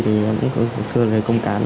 thì cũng có sự công tán